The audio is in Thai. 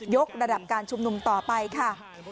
กระดับการชุมนุมต่อไปค่ะ